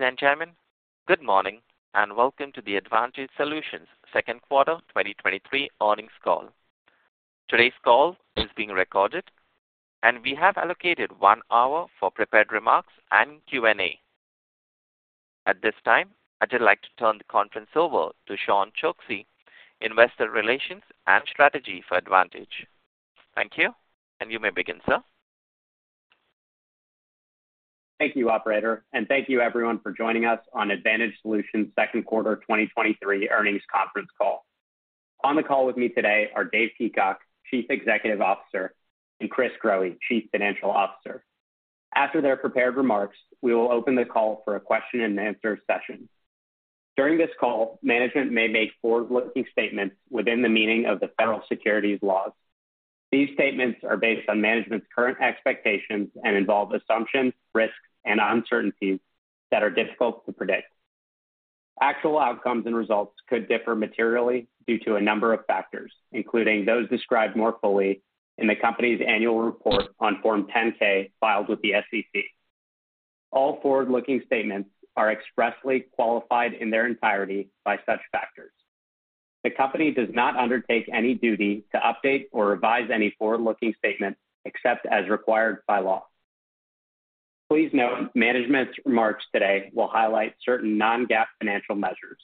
Ladies and gentlemen, good morning, and welcome to the Advantage Solutions second quarter 2023 earnings call. Today's call is being recorded, and we have allocated one hour for prepared remarks and Q&A. At this time, I'd just like to turn the conference over to Sean Choksi, Investor Relations and Strategy for Advantage. Thank you, and you may begin, sir. Thank you, operator, thank you everyone for joining us on Advantage Solutions second quarter 2023 earnings conference call. On the call with me today are Dave Peacock, Chief Executive Officer, and Chris Growe, Chief Financial Officer. After their prepared remarks, we will open the call for a question and answer session. During this call, management may make forward-looking statements within the meaning of the federal securities laws. These statements are based on management's current expectations and involve assumptions, risks, and uncertainties that are difficult to predict. Actual outcomes and results could differ materially due to a number of factors, including those described more fully in the company's annual report on Form 10-K, filed with the SEC. All forward-looking statements are expressly qualified in their entirety by such factors. The company does not undertake any duty to update or revise any forward-looking statements, except as required by law. Please note, management's remarks today will highlight certain non-GAAP financial measures.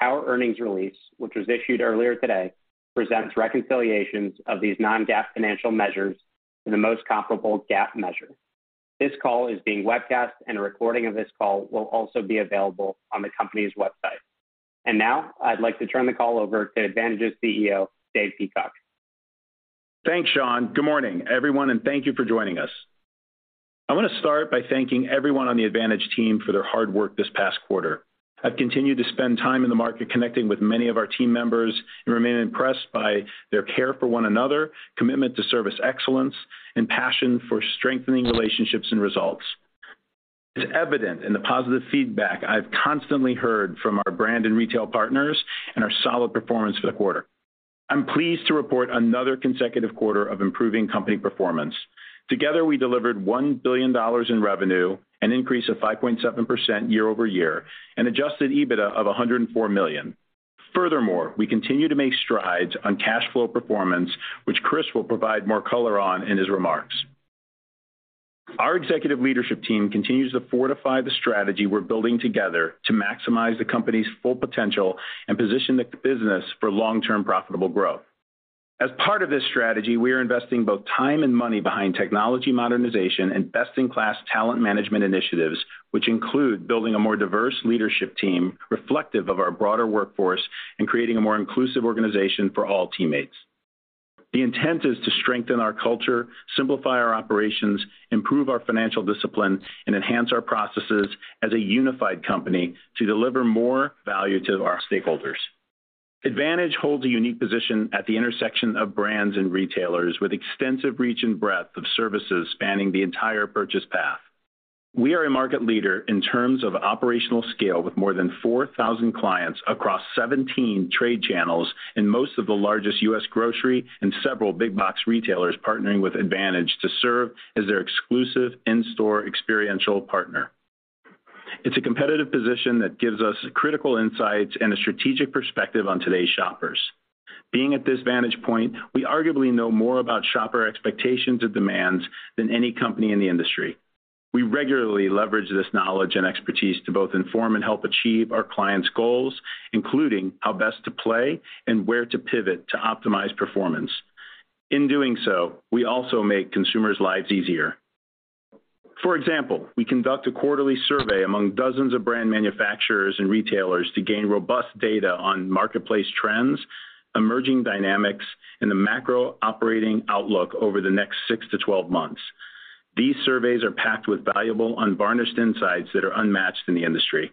Our earnings release, which was issued earlier today, presents reconciliations of these non-GAAP financial measures to the most comparable GAAP measure. This call is being webcast, and a recording of this call will also be available on the company's website. Now, I'd like to turn the call over to Advantage's CEO, Dave Peacock. Thanks, Sean. Good morning, everyone, and thank you for joining us. I want to start by thanking everyone on the Advantage team for their hard work this past quarter. I've continued to spend time in the market connecting with many of our team members and remain impressed by their care for one another, commitment to service excellence, and passion for strengthening relationships and results. It's evident in the positive feedback I've constantly heard from our brand and retail partners and our solid performance for the quarter. I'm pleased to report another consecutive quarter of improving company performance. Together, we delivered $1 billion in revenue, an increase of 5.7% year-over-year, and adjusted EBITDA of $104 million. Furthermore, we continue to make strides on cash flow performance, which Chris will provide more color on in his remarks. Our executive leadership team continues to fortify the strategy we're building together to maximize the company's full potential and position the business for long-term profitable growth. As part of this strategy, we are investing both time and money behind technology modernization and best-in-class talent management initiatives, which include building a more diverse leadership team reflective of our broader workforce and creating a more inclusive organization for all teammates. The intent is to strengthen our culture, simplify our operations, improve our financial discipline, and enhance our processes as a unified company to deliver more value to our stakeholders. Advantage holds a unique position at the intersection of brands and retailers with extensive reach and breadth of services spanning the entire purchase path. We are a market leader in terms of operational scale, with more than 4,000 clients across 17 trade channels and most of the largest US grocery and several big box retailers partnering with Advantage to serve as their exclusive in-store experiential partner. It's a competitive position that gives us critical insights and a strategic perspective on today's shoppers. Being at this vantage point, we arguably know more about shopper expectations and demands than any company in the industry. We regularly leverage this knowledge and expertise to both inform and help achieve our clients' goals, including how best to play and where to pivot to optimize performance. In doing so, we also make consumers' lives easier. For example, we conduct a quarterly survey among dozens of brand manufacturers and retailers to gain robust data on marketplace trends, emerging dynamics, and the macro operating outlook over the next six to 12 months. These surveys are packed with valuable, unvarnished insights that are unmatched in the industry.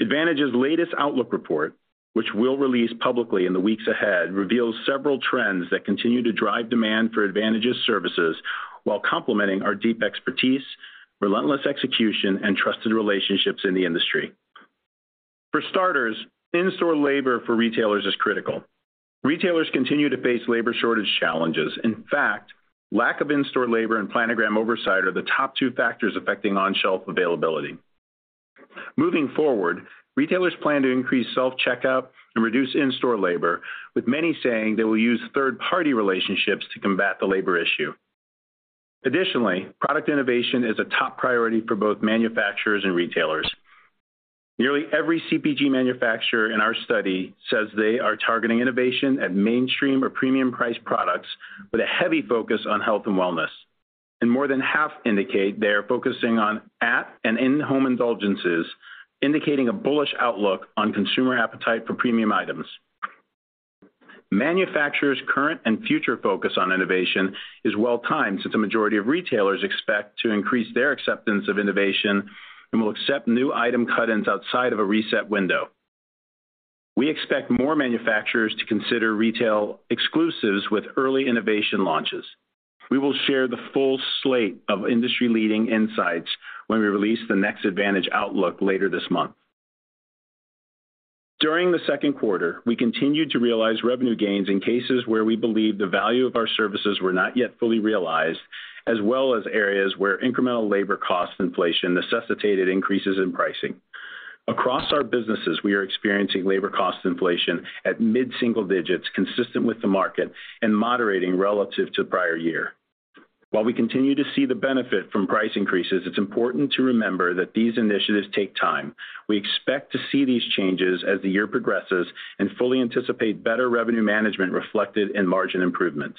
Advantage's latest Outlook report, which we'll release publicly in the weeks ahead, reveals several trends that continue to drive demand for Advantage's services while complementing our deep expertise, relentless execution, and trusted relationships in the industry. For starters, in-store labor for retailers is critical. Retailers continue to face labor shortage challenges. In fact, lack of in-store labor and planogram oversight are the top two factors affecting on-shelf availability. Moving forward, retailers plan to increase self-checkout and reduce in-store labor, with many saying they will use third-party relationships to combat the labor issue. Additionally, product innovation is a top priority for both manufacturers and retailers. Nearly every CPG manufacturer in our study says they are targeting innovation at mainstream or premium price products with a heavy focus on health and wellness, and more than half indicate they are focusing on at and in-home indulgences, indicating a bullish outlook on consumer appetite for premium items. Manufacturers' current and future focus on innovation is well timed, since a majority of retailers expect to increase their acceptance of innovation and will accept new item cut-ins outside of a reset window. We expect more manufacturers to consider retail exclusives with early innovation launches. We will share the full slate of industry-leading insights when we release the next Advantage Outlook later this month. During the second quarter, we continued to realize revenue gains in cases where we believe the value of our services were not yet fully realized, as well as areas where incremental labor cost inflation necessitated increases in pricing. Across our businesses, we are experiencing labor cost inflation at mid-single digits, consistent with the market and moderating relative to prior year. While we continue to see the benefit from price increases, it's important to remember that these initiatives take time. We expect to see these changes as the year progresses and fully anticipate better revenue management reflected in margin improvements.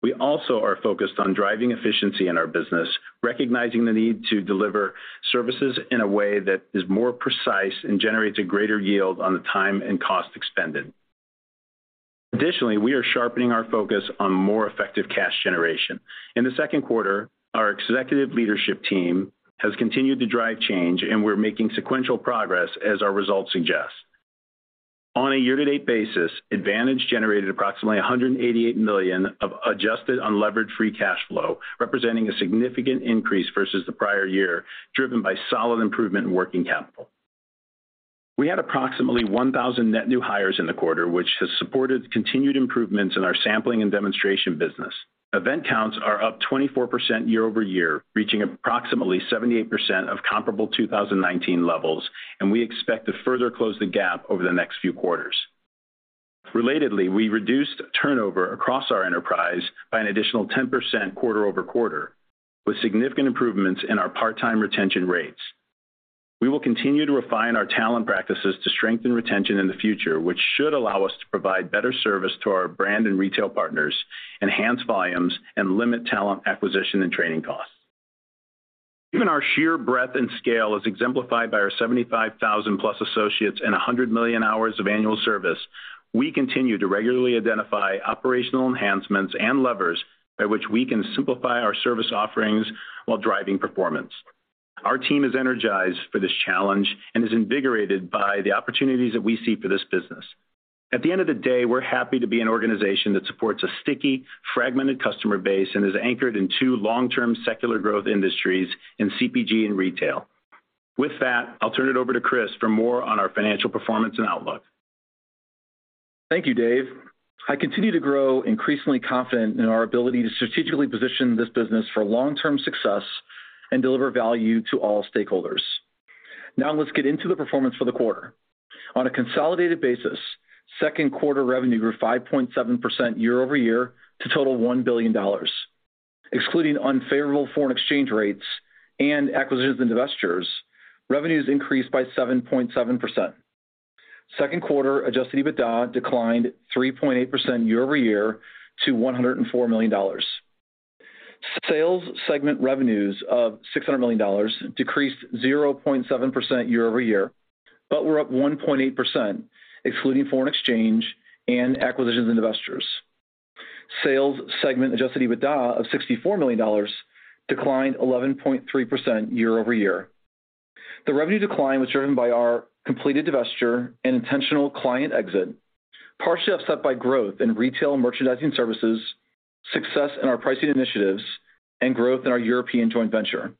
We also are focused on driving efficiency in our business, recognizing the need to deliver services in a way that is more precise and generates a greater yield on the time and cost expended. Additionally, we are sharpening our focus on more effective cash generation. In the second quarter, our executive leadership team has continued to drive change, and we're making sequential progress as our results suggest. On a year-to-date basis, Advantage generated approximately $188 million of adjusted unlevered free cash flow, representing a significant increase versus the prior year, driven by solid improvement in working capital. We had approximately 1,000 net new hires in the quarter, which has supported continued improvements in our sampling and demonstration business. Event counts are up 24% year-over-year, reaching approximately 78% of comparable 2019 levels. We expect to further close the gap over the next few quarters. Relatedly, we reduced turnover across our enterprise by an additional 10% quarter-over-quarter, with significant improvements in our part-time retention rates. We will continue to refine our talent practices to strengthen retention in the future, which should allow us to provide better service to our brand and retail partners, enhance volumes, and limit talent acquisition and training costs. Given our sheer breadth and scale, as exemplified by our 75,000+ associates and 100 million hours of annual service, we continue to regularly identify operational enhancements and levers by which we can simplify our service offerings while driving performance. Our team is energized for this challenge and is invigorated by the opportunities that we see for this business. At the end of the day, we're happy to be an organization that supports a sticky, fragmented customer base and is anchored in two long-term secular growth industries in CPG and retail. With that, I'll turn it over to Chris for more on our financial performance and outlook. Thank you, Dave. I continue to grow increasingly confident in our ability to strategically position this business for long-term success and deliver value to all stakeholders. Let's get into the performance for the quarter. On a consolidated basis, second quarter revenue grew 5.7% year-over-year to total $1 billion. Excluding unfavorable foreign exchange rates and acquisitions and divestitures, revenues increased by 7.7%. Second quarter adjusted EBITDA declined 3.8% year-over-year to $104 million. Sales segment revenues of $600 million decreased 0.7% year-over-year, but were up 1.8%, excluding foreign exchange and acquisitions and divestitures. Sales segment adjusted EBITDA of $64 million declined 11.3% year-over-year. The revenue decline was driven by our completed divestiture and intentional client exit, partially offset by growth in retail and merchandising services, success in our pricing initiatives, and growth in our European joint venture.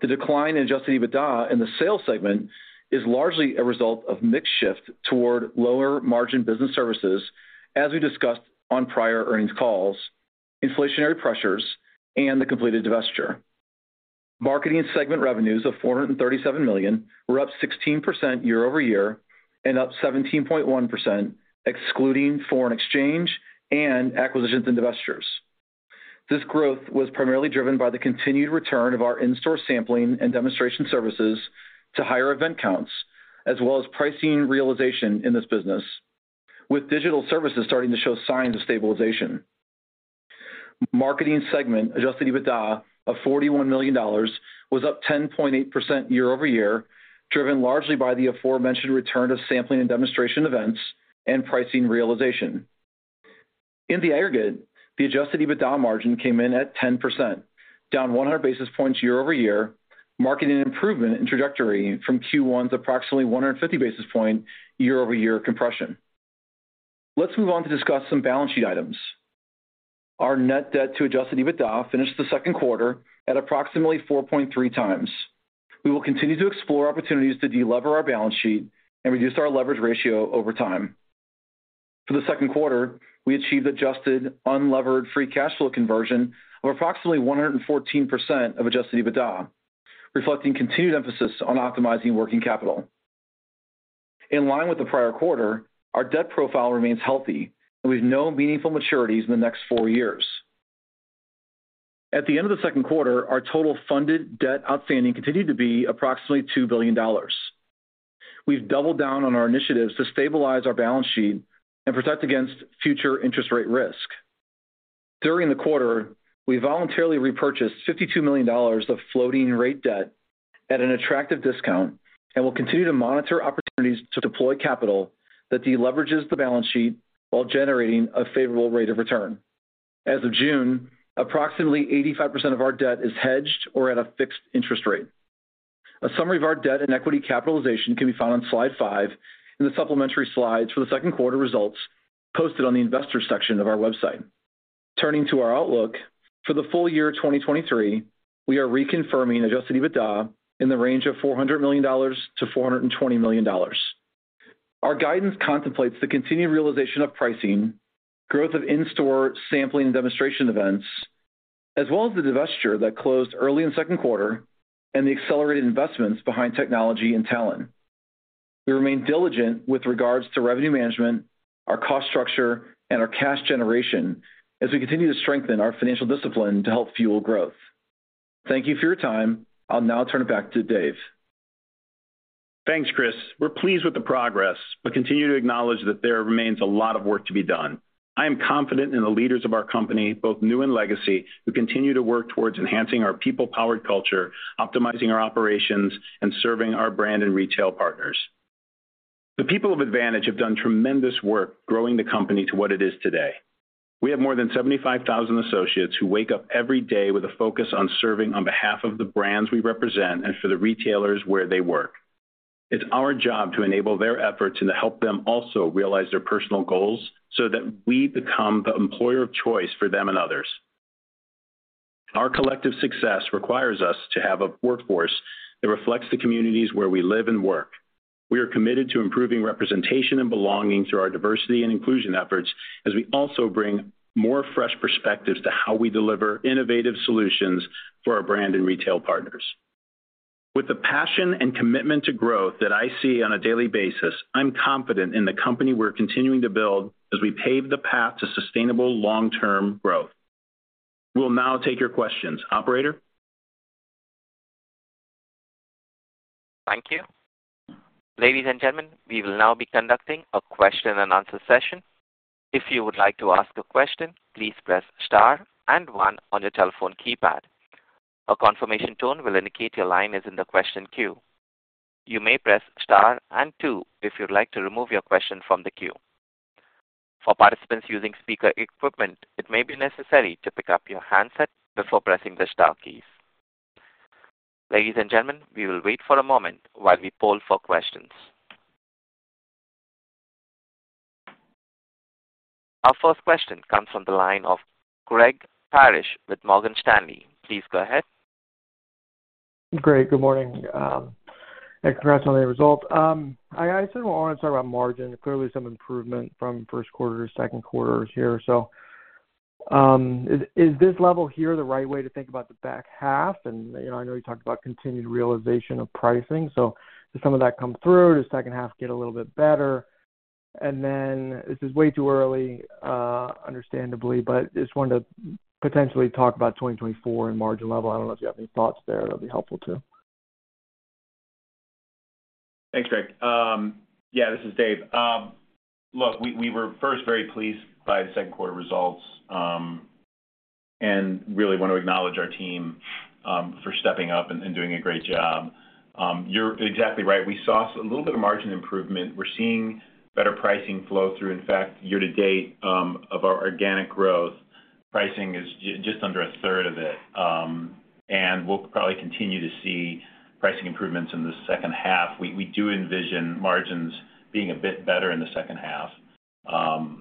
The decline in adjusted EBITDA in the sales segment is largely a result of mix shift toward lower-margin business services, as we discussed on prior earnings calls, inflationary pressures, and the completed divestiture. Marketing segment revenues of $437 million were up 16% year-over-year and up 17.1%, excluding foreign exchange and acquisitions and divestitures. This growth was primarily driven by the continued return of our in-store sampling and demonstration services to higher event counts, as well as pricing realization in this business, with digital services starting to show signs of stabilization. Marketing segment adjusted EBITDA of $41 million was up 10.8% year-over-year, driven largely by the aforementioned return of sampling and demonstration events and pricing realization. In the aggregate, the adjusted EBITDA margin came in at 10%, down 100 basis points year-over-year, marking an improvement in trajectory from Q1's approximately 150 basis point year-over-year compression. Let's move on to discuss some balance sheet items. Our net debt to adjusted EBITDA finished the second quarter at approximately 4.3x. We will continue to explore opportunities to delever our balance sheet and reduce our leverage ratio over time. For the second quarter, we achieved adjusted unlevered free cash flow conversion of approximately 114% of adjusted EBITDA, reflecting continued emphasis on optimizing working capital. In line with the prior quarter, our debt profile remains healthy, and we have no meaningful maturities in the next four years. At the end of the second quarter, our total funded debt outstanding continued to be approximately $2 billion. We've doubled down on our initiatives to stabilize our balance sheet and protect against future interest rate risk. During the quarter, we voluntarily repurchased $52 million of floating rate debt at an attractive discount and will continue to monitor opportunities to deploy capital that deleverages the balance sheet while generating a favorable rate of return. As of June, approximately 85% of our debt is hedged or at a fixed interest rate. A summary of our debt and equity capitalization can be found on slide 5 in the supplementary slides for the second quarter results posted on the investors section of our website. Turning to our outlook. For the full year 2023, we are reconfirming adjusted EBITDA in the range of $400 million-$420 million. Our guidance contemplates the continued realization of pricing, growth of in-store sampling and demonstration events, as well as the divestiture that closed early in second quarter and the accelerated investments behind technology and talent. We remain diligent with regards to revenue management, our cost structure, and our cash generation as we continue to strengthen our financial discipline to help fuel growth. Thank you for your time. I'll now turn it back to Dave. Thanks, Chris. We're pleased with the progress, but continue to acknowledge that there remains a lot of work to be done. I am confident in the leaders of our company, both new and legacy, who continue to work towards enhancing our people-powered culture, optimizing our operations, and serving our brand and retail partners. The people of Advantage have done tremendous work growing the company to what it is today. We have more than 75,000 associates who wake up every day with a focus on serving on behalf of the brands we represent and for the retailers where they work. It's our job to enable their efforts and to help them also realize their personal goals so that we become the employer of choice for them and others. Our collective success requires us to have a workforce that reflects the communities where we live and work. We are committed to improving representation and belonging through our diversity and inclusion efforts, as we also bring more fresh perspectives to how we deliver innovative solutions for our brand and retail partners. With the passion and commitment to growth that I see on a daily basis, I'm confident in the company we're continuing to build as we pave the path to sustainable long-term growth. We'll now take your questions. Operator? Thank you. Ladies and gentlemen, we will now be conducting a question and answer session. If you would like to ask a question, please press Star and one on your telephone keypad. A confirmation tone will indicate your line is in the question queue. You may press Star and two if you'd like to remove your question from the queue. For participants using speaker equipment, it may be necessary to pick up your handset before pressing the star keys. Ladies and gentlemen, we will wait for a moment while we poll for questions. Our first question comes from the line of Greg Parrish with Morgan Stanley. Please go ahead. Great. Good morning, and congrats on the results. I, I sort of want to start about margin. Clearly, some improvement from first quarter to second quarter is here. Is, is this level here the right way to think about the back half? You know, I know you talked about continued realization of pricing, so does some of that come through? Does the H2 get a little bit better? This is way too early, understandably, but just wanted to potentially talk about 2024 and margin level. I don't know if you have any thoughts there. That'd be helpful too. Thanks, Greg. Yeah, this is Dave. Look, we, we were first very pleased by the second quarter results, and really want to acknowledge our team for stepping up and doing a great job. You're exactly right. We saw a little bit of margin improvement. We're seeing better pricing flow through. In fact, year to date, of our organic growth, pricing is just under a third of it. We'll probably continue to see pricing improvements in the H2. We, we do envision margins being a bit better in the H2.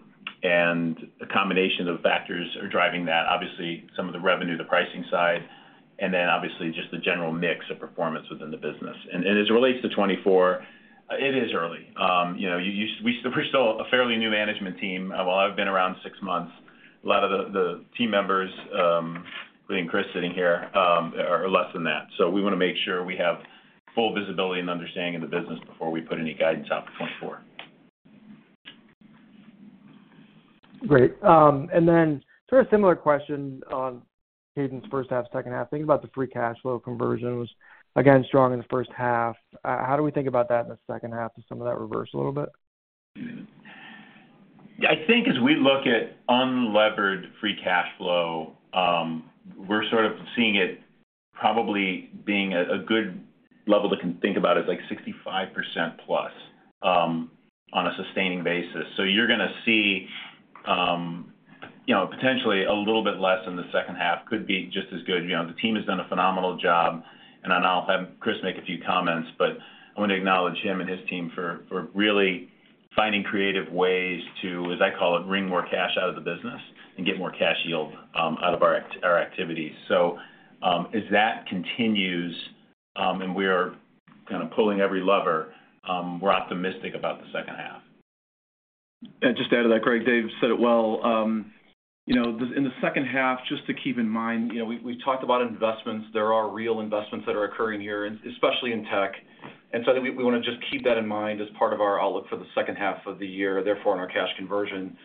A combination of factors are driving that. Obviously, some of the revenue, the pricing side, and then obviously just the general mix of performance within the business. As it relates to 2024, it is early. you know, you, we're still a fairly new management team. While I've been around 6 months, a lot of the, the team members, including Chris Growe sitting here, are less than that. So we want to make sure we have full visibility and understanding of the business before we put any guidance out for 2024. Great. Then sort of similar question on cadence, H1, H2? Think about the free cash flow conversions, again, strong in the H1. How do we think about that in the H2? Does some of that reverse a little bit? I think as we look at unlevered free cash flow, we're sort of seeing it probably being a, a good level to think about is like 65%+ on a sustaining basis. You're gonna see, you know, potentially a little bit less in the H2. Could be just as good. You know, the team has done a phenomenal job, and I'll have Chris make a few comments, but I want to acknowledge him and his team for, for really finding creative ways to, as I call it, wring more cash out of the business and get more cash yield out of our activities. As that continues, and we are kind of pulling every lever, we're optimistic about the H2. Just to add to that, Greg, Dave said it well. You know, in the H2, just to keep in mind, you know, we, we talked about investments. There are real investments that are occurring here, especially in tech. So I think we want to just keep that in mind as part of our outlook for the H2 of the year, therefore, in our cash conversion.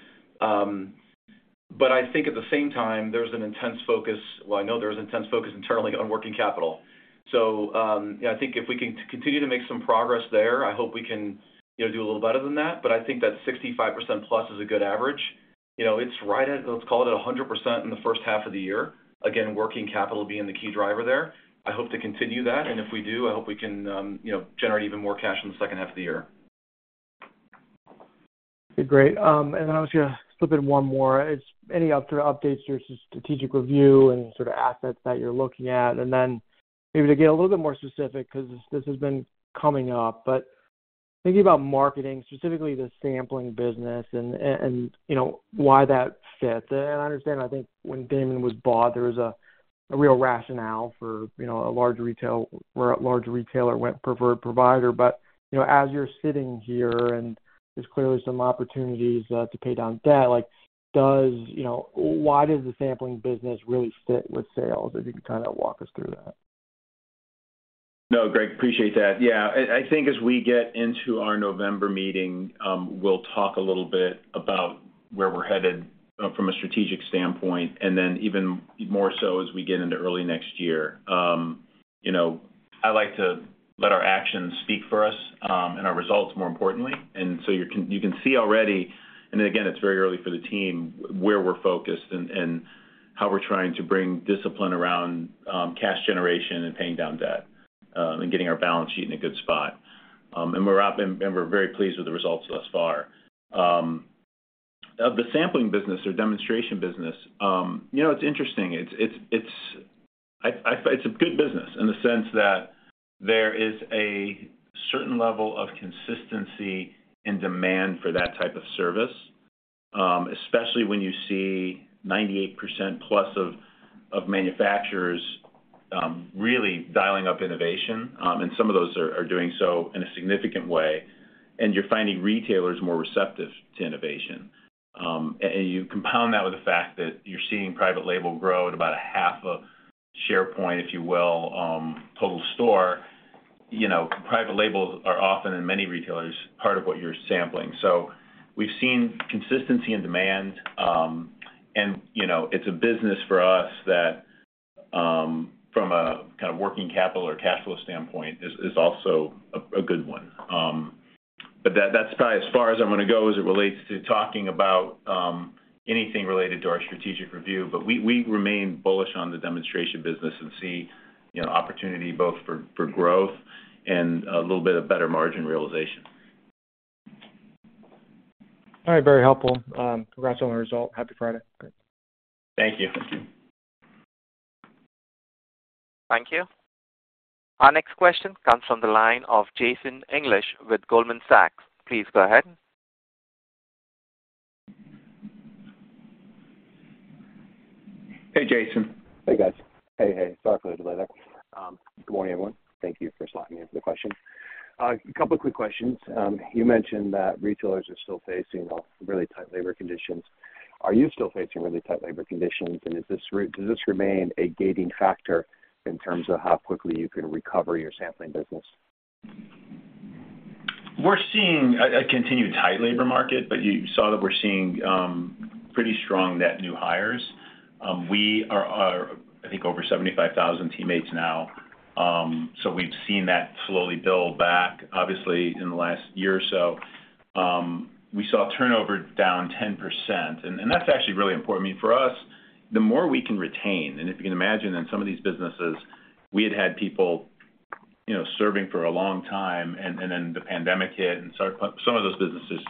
But I think at the same time, there's an intense focus... Well, I know there's intense focus internally on working capital. I think if we can continue to make some progress there, I hope we can, you know, do a little better than that. But I think that 65%+ is a good average. You know, it's right at, let's call it, 100% in the H1 of the year. Again, working capital being the key driver there. I hope to continue that, and if we do, I hope we can, you know, generate even more cash in the H2 of the year. Great. I was going to slip in one more. It's any updates to your strategic review and sort of assets that you're looking at? Then maybe to get a little bit more specific, because this has been coming up, but- Thinking about marketing, specifically the sampling business and, and, you know, why that fits. I understand, I think when Daymon was bought, there was a, a real rationale for, you know, a large retailer where a large retailer went preferred provider. You know, as you're sitting here, and there's clearly some opportunities to pay down debt, like, does, you know, why does the sampling business really fit with sales? If you can kind of walk us through that. No, Greg, appreciate that. Yeah. I, I think as we get into our November meeting, we'll talk a little bit about where we're headed from a strategic standpoint, and then even more so as we get into early next year. You know, I like to let our actions speak for us, and our results, more importantly. You can, you can see already, and again, it's very early for the team, where we're focused and, and how we're trying to bring discipline around cash generation and paying down debt, and getting our balance sheet in a good spot. We're up, and, and we're very pleased with the results thus far. Of the sampling business or demonstration business, you know, it's interesting. It's a good business in the sense that there is a certain level of consistency and demand for that type of service, especially when you see 98% plus of manufacturers really dialing up innovation, and some of those are doing so in a significant way, and you're finding retailers more receptive to innovation. You compound that with the fact that you're seeing private label grow at about 0.5 of share point, if you will, total store. You know, private labels are often, in many retailers, part of what you're sampling. We've seen consistency in demand, and, you know, it's a business for us that, from a kind of working capital or cash flow standpoint, is also a good one. That, that's probably as far as I'm gonna go as it relates to talking about anything related to our strategic review, but we, we remain bullish on the demonstration business and see, you know, opportunity both for, for growth and a little bit of better margin realization. All right. Very helpful. Congrats on the result. Happy Friday. Thank you. Thank you. Our next question comes from the line of Jason English with Goldman Sachs. Please go ahead. Hey, Jason. Hey, guys. Hey, hey, sorry for the delay there. Good morning, everyone. Thank you for letting me ask the question. A couple of quick questions. You mentioned that retailers are still facing, well, really tight labor conditions. Are you still facing really tight labor conditions, and does this remain a gating factor in terms of how quickly you can recover your sampling business? We're seeing a, a continued tight labor market, but you saw that we're seeing, pretty strong net new hires. We are, are, I think, over 75,000 teammates now. We've seen that slowly build back, obviously, in the last year or so. We saw turnover down 10%, and, and that's actually really important. I mean, for us, the more we can retain, and if you can imagine, in some of these businesses, we had had people, you know, serving for a long time, and, and then the pandemic hit, and so some of those businesses,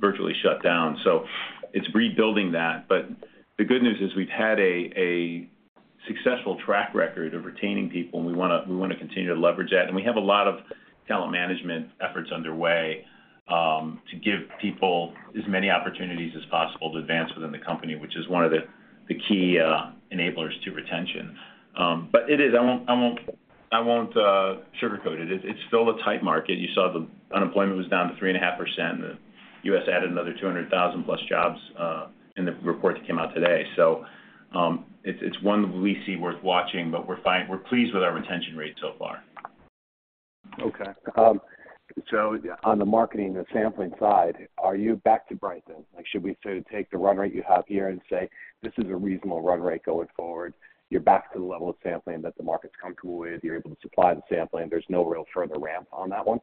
virtually shut down. It's rebuilding that. The good news is we've had a, a successful track record of retaining people, and we wanna, we wanna continue to leverage that. We have a lot of talent management efforts underway, to give people as many opportunities as possible to advance within the company, which is one of the key enablers to retention. It is... I won't, I won't, I won't sugarcoat it. It's still a tight market. You saw the unemployment was down to 3.5%. The US added another 200,000+ jobs in the report that came out today. It's one we see worth watching, but we're fine, we're pleased with our retention rate so far. Okay. On the marketing and sampling side, are you back to Brighton? Like, should we sort of take the run rate you have here and say, "This is a reasonable run rate going forward?" You're back to the level of sampling that the market's comfortable with. You're able to supply the sampling. There's no real further ramp on that one?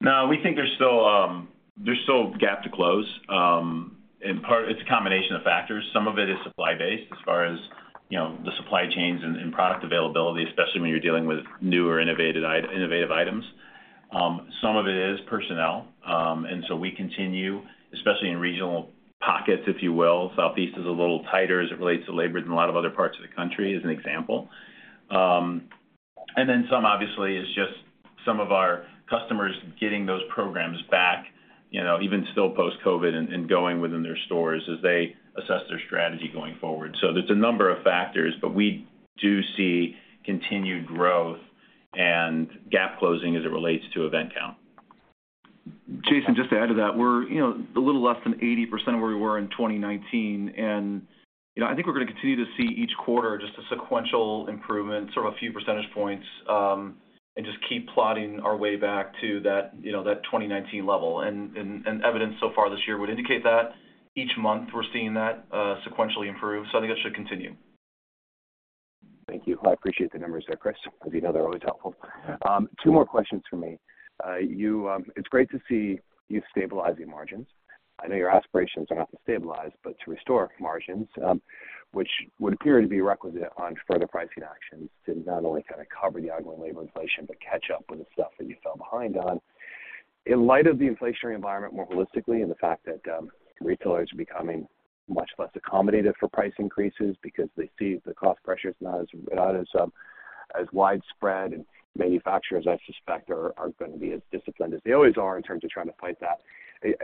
No, we think there's still, there's still gap to close. In part, it's a combination of factors. Some of it is supply based, as far as, you know, the supply chains and, and product availability, especially when you're dealing with new or innovative innovative items. Some of it is personnel, so we continue, especially in regional pockets, if you will. Southeast is a little tighter as it relates to labor than a lot of other parts of the country, as an example. Then some, obviously, is just some of our customers getting those programs back, you know, even still post-COVID and, and going within their stores as they assess their strategy going forward. There's a number of factors, but we do see continued growth and gap closing as it relates to event count. Jason, just to add to that, we're, you know, a little less than 80% of where we were in 2019, you know, I think we're gonna continue to see each quarter just a sequential improvement, sort of a few percentage points, and just keep plotting our way back to that, you know, that 2019 level. Evidence so far this year would indicate that each month we're seeing that sequentially improve, so I think it should continue. Thank you. I appreciate the numbers there, Chris, because you know they're always helpful. Two more questions for me. It's great to see you stabilizing margins. I know your aspirations are not to stabilize, but to restore margins, which would appear to be requisite on further pricing actions to not only kind of cover the ongoing labor inflation, but catch up with the stuff that you fell behind on. In light of the inflationary environment more holistically, and the fact that retailers are becoming much less accommodative for price increases because they see the cost pressure is not as, not as, as widespread, and manufacturers, I suspect, are, are gonna be as disciplined as they always are in terms of trying to fight that.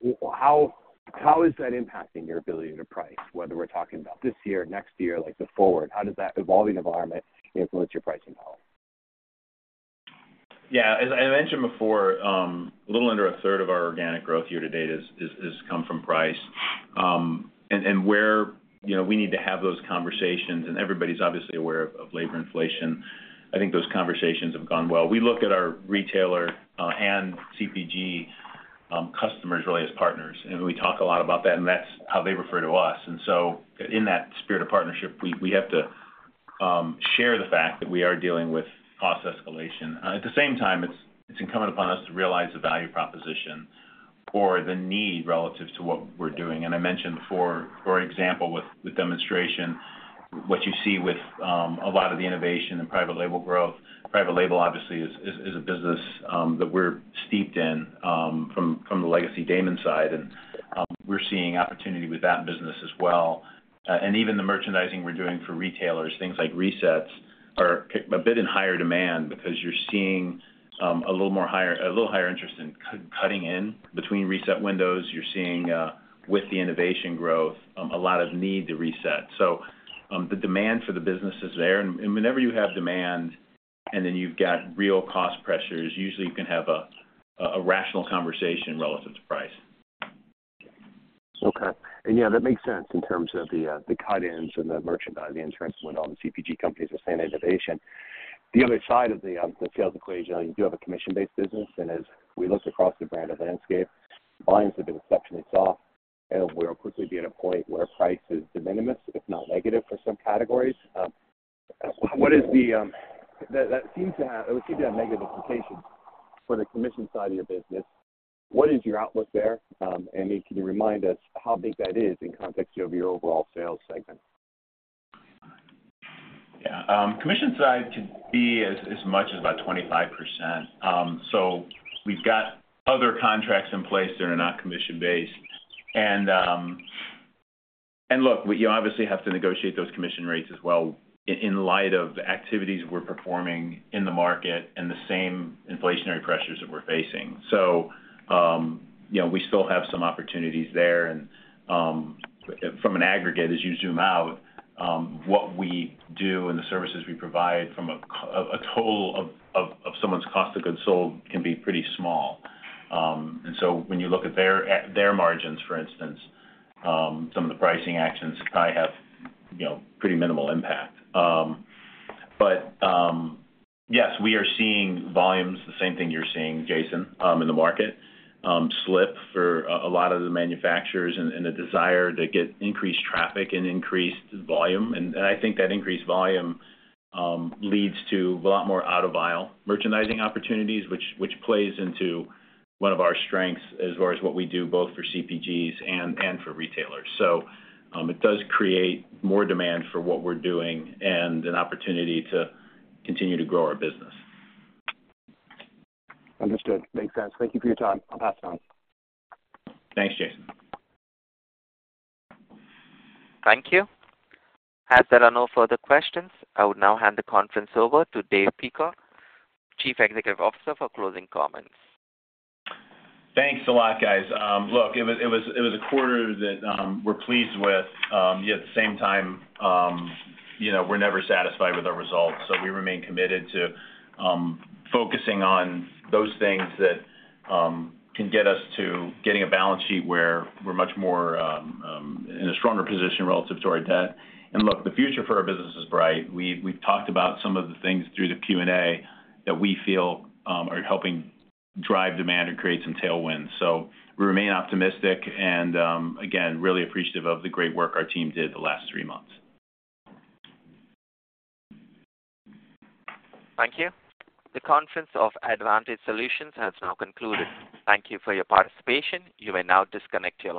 Well, how, how is that impacting your ability to price, whether we're talking about this year or next year, like the forward, how does that evolving environment influence your pricing power? Yeah, as I mentioned before, a little under a third of our organic growth year-to-date is, is, has come from price. And, and where, you know, we need to have those conversations, and everybody's obviously aware of, of labor inflation. I think those conversations have gone well. We look at our retailer, and CPG customers really as partners, and we talk a lot about that, and that's how they refer to us. So in that spirit of partnership, we, we have to share the fact that we are dealing with cost escalation. At the same time, it's, it's incumbent upon us to realize the value proposition or the need relative to what we're doing. I mentioned before, for example, with, with demonstration, what you see with a lot of the innovation and private label growth. Private label, obviously is, is, is a business that we're steeped in from, from the legacy Daymon side, and we're seeing opportunity with that business as well. And even the merchandising we're doing for retailers, things like resets, are a bit in higher demand because you're seeing a little higher interest in cut-cutting in between reset windows. You're seeing with the innovation growth, a lot of need to reset. The demand for the business is there, and, and whenever you have demand and then you've got real cost pressures, usually you can have a, a rational conversation relative to price. Okay. Yeah, that makes sense in terms of the cut-ins and the merchandising trends when all the CPG companies are saying innovation. The other side of the sales equation, you do have a commission-based business, and as we look across the brand of landscape, volumes have been exceptionally soft, and we'll quickly be at a point where price is de minimis, if not negative, for some categories. What is the... That seems to have negative implications for the commission side of your business. What is your outlook there? Can you remind us how big that is in context of your overall sales segment? Yeah, commission side could be as, as much as about 25%. We've got other contracts in place that are not commission-based. Look, we obviously have to negotiate those commission rates as well in light of the activities we're performing in the market and the same inflationary pressures that we're facing. You know, we still have some opportunities there. From an aggregate, as you zoom out, what we do and the services we provide from someone's cost of goods sold can be pretty small. When you look at their, at their margins, for instance, some of the pricing actions probably have, you know, pretty minimal impact. Yes, we are seeing volumes, the same thing you're seeing, Jason, in the market, slip for a lot of the manufacturers and the desire to get increased traffic and increased volume. And I think that increased volume leads to a lot more out of aisle merchandising opportunities, which plays into one of our strengths as far as what we do, both for CPGs and for retailers. It does create more demand for what we're doing and an opportunity to continue to grow our business. Understood. Makes sense. Thank you for your time. I'll pass it on. Thanks, Jason. Thank you. As there are no further questions, I would now hand the conference over to Dave Peacock, Chief Executive Officer, for closing comments. Thanks a lot, guys. Look, it was, it was a quarter that we're pleased with. Yet at the same time, you know, we're never satisfied with our results, so we remain committed to focusing on those things that can get us to getting a balance sheet where we're much more in a stronger position relative to our debt. Look, the future for our business is bright. We, we've talked about some of the things through the Q&A that we feel are helping drive demand and create some tailwinds. We remain optimistic and again, really appreciative of the great work our team did the last three months. Thank you. The conference of Advantage Solutions has now concluded. Thank you for your participation. You may now disconnect your line.